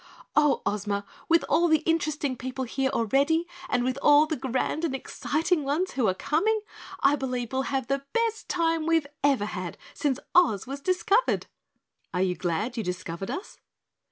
"Oh, Ozma, with all the interesting people here already and with all the grand and exciting ones who are coming, I believe we'll have the best time we've ever had since Oz was discovered." "Are you glad you discovered us?"